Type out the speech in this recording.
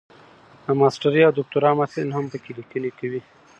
د ماسټرۍ او دوکتورا محصلین هم پکې لیکني کوي.